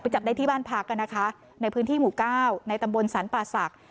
จับได้ที่บ้านพักนะคะในพื้นที่หมู่เก้าในตำบลสรรป่าศักดิ์